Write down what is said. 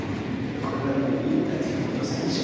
「これからもいい舞台作って下さい。